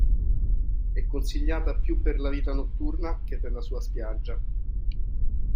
È consigliata più per la vita notturna che per la sua spiaggia.